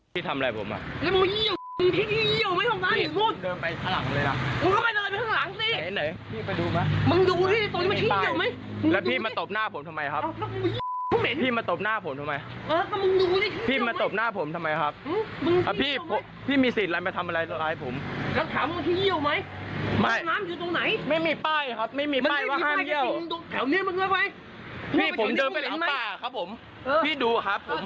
ผมเดินไปหลังป่าครับผมพี่ดูครับผม